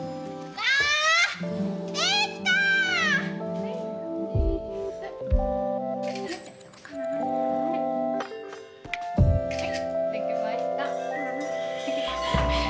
はいできました。